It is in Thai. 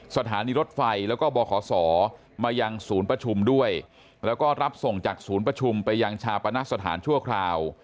สถานีรถไฟแล้วก็บขศมายังศูนย์ประชุมด้วยแล้วก็รับส่งจากศูนย์ประชุมไปยังชาปณะสถานชั่วคราว